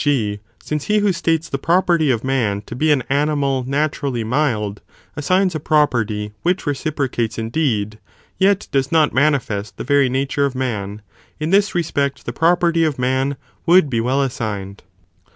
g. since he who states the property of man to be an animal naturally mild, assigns a property which reciprocates indeed, yet does not manifest the very nature of man, in this respect the pro _perty of man would be well assigned.